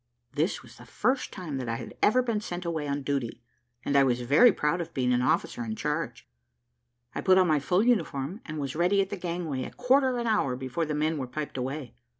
This was the first time that I had ever been sent away on duty, and I was very proud of being an officer in charge. I put on my full uniform, and was ready at the gangway a quarter of an hour before the men were piped away.